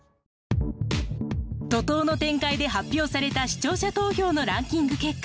怒濤の展開で発表された視聴者投票のランキング結果。